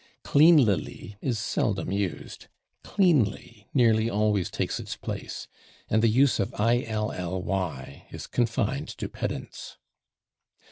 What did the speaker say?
/Cleanlily/ is seldom used;, /cleanly/ nearly always takes its place. And the use of /illy/ is confined to pedants.